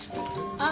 あっ。